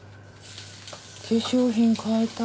化粧品変えた？